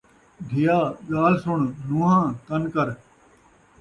دھیا! ڳالھ سݨ ، نون٘ہاں! کن کر